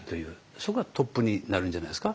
そこがトップになるんじゃないですか。